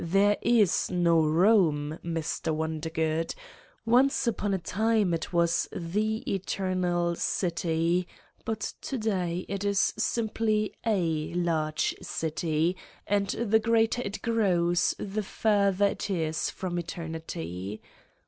There is no Some, Mr. Wondergood. Once upon a time it was the Eternal City, but to day it is simply a large city and the greater it grows the further it is from eternity.